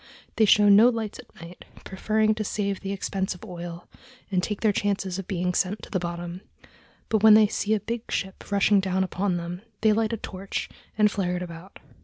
They show no lights at night, preferring to save the expense of oil, and take their chances of being sent to the bottom; but when they see a big ship rushing down upon them, they light a torch and flare it about.